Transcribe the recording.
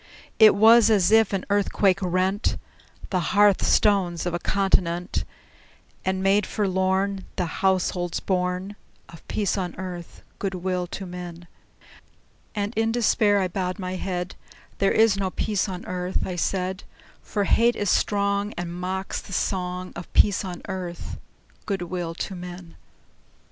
It was as if an earthquake rent The hearth stones of a continent, And made forlorn The households born Of peace on earth, good will to men! And in despair I bowed my head; "There is no peace on earth," I said: "For hate is strong, And mocks the song Of peace on earth, good will to men!"